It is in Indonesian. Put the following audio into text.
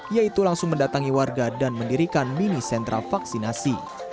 yaitu langsung mendatangi warga dan mendirikan mini sentra vaksinasi